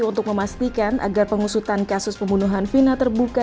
untuk memastikan agar pengusutan kasus pembunuhan vina terbuka